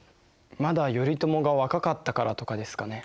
まだ頼朝が若かったからとかですかね。